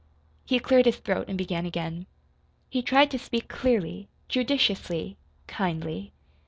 He cleared his throat and began again. He tried to speak clearly, judiciously, kindly.